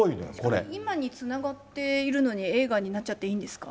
今につながっているのに、映画になっちゃっていいんですか？